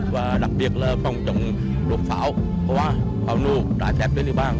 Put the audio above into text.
và đặc biệt là phòng trọng đột pháo hóa hóa nụ đá chép trên địa bàn